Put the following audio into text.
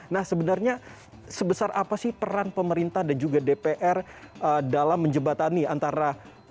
nah sebenarnya sebesar apa sih peran pemerintah dan juga dpr dalam menjebatani antara